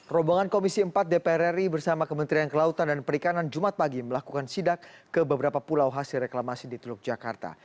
rombongan komisi empat dpr ri bersama kementerian kelautan dan perikanan jumat pagi melakukan sidak ke beberapa pulau hasil reklamasi di teluk jakarta